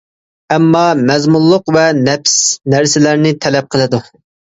ئامما مەزمۇنلۇق ۋە نەپىس نەرسىلەرنى تەلەپ قىلىدۇ.